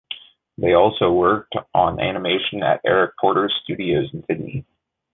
They also worked on animation at Eric Porter's studios in Sydney.